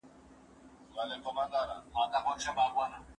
زه له سهاره کتابتون ته راځم!؟